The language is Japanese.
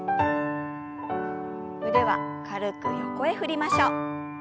腕は軽く横へ振りましょう。